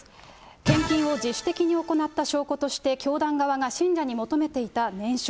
献金を自主的に行った証拠として、教団側が信者に求めていた念書。